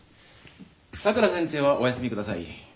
さくら先生はお休みください。